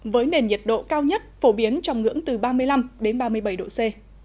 với nền nhiệt độ cao nhất phổ biến trong ngưỡng từ ba mươi năm đến ba mươi bảy độ c